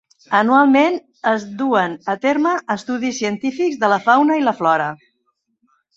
Anualment es duen a terme estudis científics de la fauna i la flora.